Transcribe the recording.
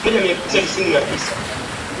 zinaweza zikawa zimejitokeza kasoro mbalimbali